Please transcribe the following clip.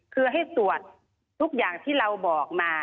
คือให้ตรวจทุกอย่างที่เราบอกมา